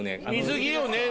水着よね？